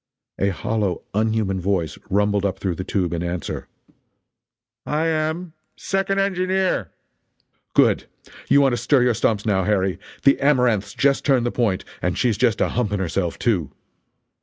A hollow, unhuman voice rumbled up through the tube in answer: "I am. Second engineer." "Good! You want to stir your stumps, now, Harry the Amaranth's just turned the point and she's just a humping herself, too!"